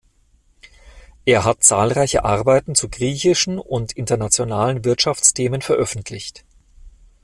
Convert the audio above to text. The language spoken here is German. Er hat zahlreiche Arbeiten zu griechischen und internationalen Wirtschaftsthemen veröffentlicht.